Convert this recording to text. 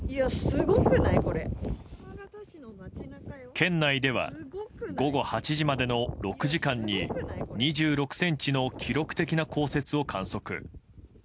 県内では午後８時までの６時間に２６ｃｍの記録的な降雪を観測。